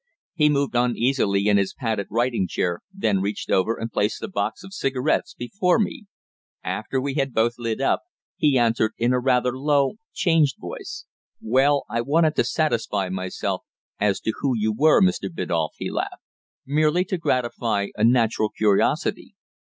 He moved uneasily in his padded writing chair, then reached over and placed a box of cigarettes before me. After we had both lit up, he answered in a rather low, changed voice "Well, I wanted to satisfy myself as to who you were, Mr. Biddulph," he laughed. "Merely to gratify a natural curiosity."